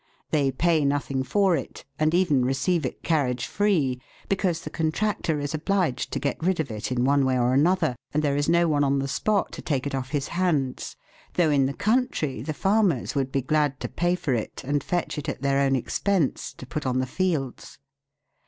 They pay nothing for it, and even receive it carriage free, because the contractor is obliged to get rid of it in one way or another, and there is no one on the spot to take it off his hands, though in the country the farmers would be glad to pay for it and fetch it at their own expense, to put on the fields.